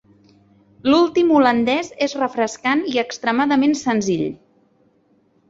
L'últim holandès és refrescant i extremament senzill.